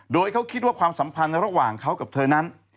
โดยเขาคิดว่าความสัมพันธ์ระหว่างเขากับเธอนั้น